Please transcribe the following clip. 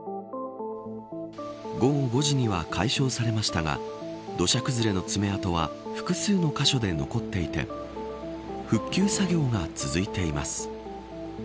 午後５時には解消されましたが土砂崩れの爪痕は複数の箇所で残っていて復旧作業が続いています。